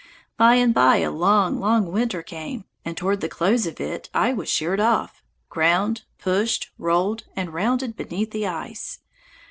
By and by a long, long winter came, and toward the close of it I was sheared off, ground, pushed, rolled, and rounded beneath the ice.